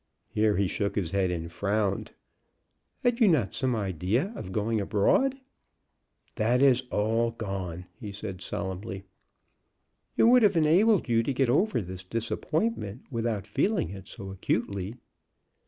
Here he shook his head and frowned. "Had you not some idea of going abroad?" "That is all gone," he said, solemnly. "It would have enabled you to get over this disappointment without feeling it so acutely."